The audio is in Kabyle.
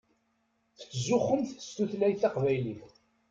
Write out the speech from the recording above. Tettzuxxumt s tutlayt taqbaylit.